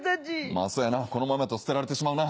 まぁそやなこのままやと捨てられてしまうな。